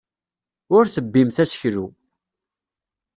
Ur tebbimt aseklu.